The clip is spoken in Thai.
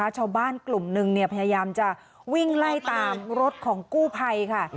ชาวบ้านกลุ่มหนึ่งพยายามจะวิ่งไล่ตามรถของกู้ภัยค่ะ